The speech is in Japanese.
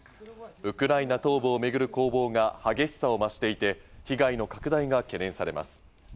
ウクライナ東部をめぐる攻防が激しさを増していて、被害の拡大が懸念されます。